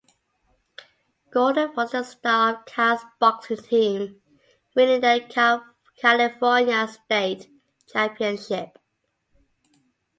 Gordon was the star of Cal's boxing team, winning the California State Championship.